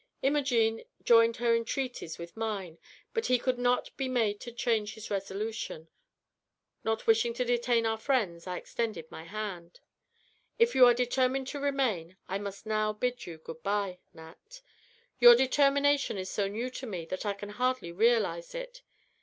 Imogene joined her entreaties with mine, but he could not be made to change his resolution. Not wishing to detain our friends, I extended my hand. "If you are determined to remain, I must now bid you good by, Nat. Your determination is so new to me that I can hardly realize it.